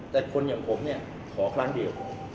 แต่คนอย่างผมเนี่ยขอครั้งเดียว